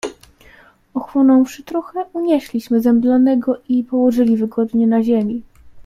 "Ochłonąwszy trochę, unieśliśmy zemdlonego i położyli wygodnie na ziemi."